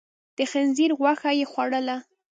د خنزير غوښه يې خوړله؟